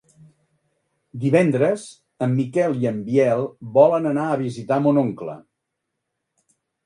Divendres en Miquel i en Biel volen anar a visitar mon oncle.